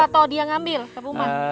atau dia ngambil ke rumah